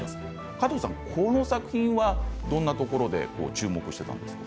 加藤さん、この作品はどんなところで注目していたんですか。